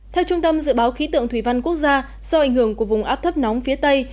theo trung tâm dự báo khí tượng thủy văn quốc gia do ảnh hưởng của vùng áp thấp nóng phía tây